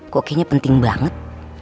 kok kayaknya penting banget